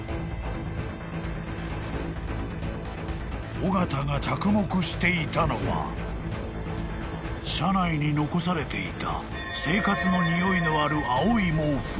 ［緒方が着目していたのは車内に残されていた生活のにおいのある］